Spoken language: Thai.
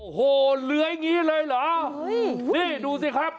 โอ้โหเลื้อยอย่างนี้เลยเหรอนี่ดูสิครับ